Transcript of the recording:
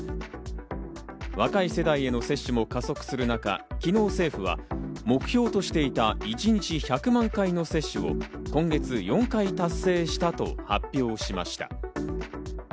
若い世代への接種も加速する中、昨日政府は、目標としていた一日１００万回の接種を今月４回達成したと発表しました。